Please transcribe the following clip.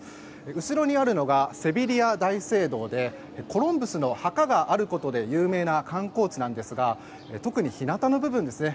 後ろにあるのがセビリア大聖堂でコロンブスの墓があることで有名な観光地なんですが特に日なたの部分ですね